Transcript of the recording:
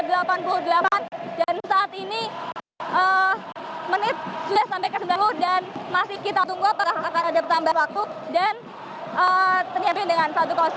dan saat ini menit sudah sampai ke sembilan puluh dan masih kita tunggu apakah akan ada tambahan waktu dan teriapin dengan satu